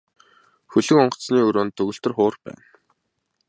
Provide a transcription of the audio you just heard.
Хөлөг онгоцны өрөөнд төгөлдөр хуур байна.